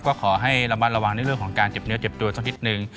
ก็ขอให้ระมัดระวังในเรื่องของการเจ็บเนื้อเจ็บตัวสักนิดนึง